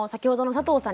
佐藤さん。